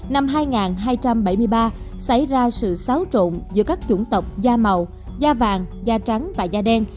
năm hai nghìn hai trăm bảy mươi ba xảy ra sự xáo trộn giữa các chủng tộc da màu da vàng da trắng và da đen